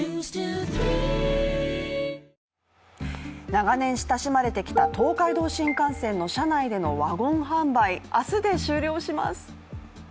長年親しまれてきた東海道新幹線の車内でのワゴン販売、明日で終了します。